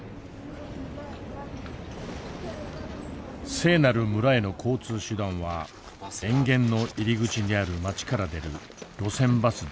聖なる村への交通手段は塩原の入り口にある町から出る路線バスだけです。